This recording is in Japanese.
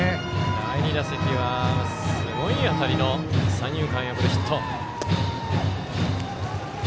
第２打席はすごい当たりの三遊間を破るヒット。